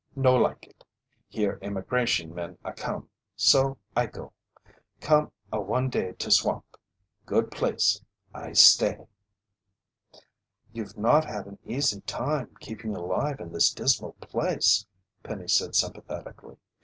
No like it. Hear Immigration men a come, so I go. Come a one day to swamp. Good place; I stay." "You've not had an easy time keeping alive in this dismal place," Penny said sympathetically.